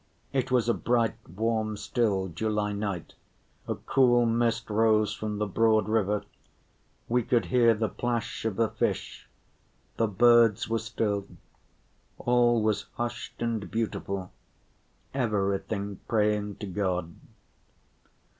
It was a bright, warm, still, July night, a cool mist rose from the broad river, we could hear the plash of a fish, the birds were still, all was hushed and beautiful, everything praying to God.